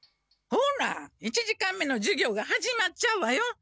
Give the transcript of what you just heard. ほら１時間目の授業が始まっちゃうわよ！